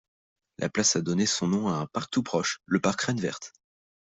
La place a donné son nom à un parc tout proche, le parc Reine-Verte.